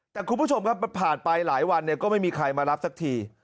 แต่คุณผู้ชมครับผ่านไปหลายวันเนี่ยก็ไม่มีใครมารับสักที